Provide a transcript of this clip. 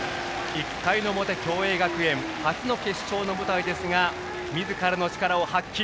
１回の表、共栄学園初の決勝の舞台ですがみずからの力を発揮。